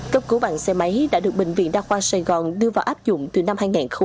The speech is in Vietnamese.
cấp cứu bằng xe máy đã được bệnh viện đa khoa sài gòn đưa vào áp dụng từ năm hai nghìn một mươi